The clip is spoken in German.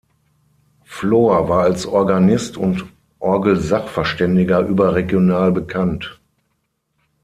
Flor war als Organist und Orgelsachverständiger überregional bekannt.